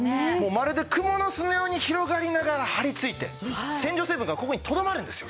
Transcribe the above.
まるでクモの巣のように広がりながら張りついて洗浄成分がここにとどまるんですよ。